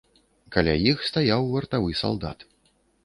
Каля іх стаяў вартавы салдат.